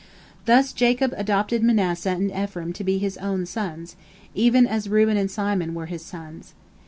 Thus Jacob adopted Manasseh and Ephraim to be his own sons, even as Reuben and Simon were his sons.